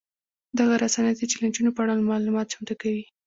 دغه رسنۍ د چلنجونو په اړه معلومات چمتو کوي.